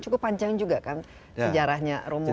cukup panjang juga kan sejarahnya romo